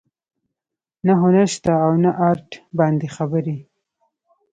نه هنر شته او نه ارټ باندې خبرې